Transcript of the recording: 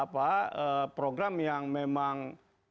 program yang memang